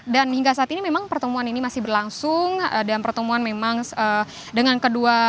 dan hingga saat ini memang pertemuan ini masih berlangsung ada pertemuan memang dengan kedua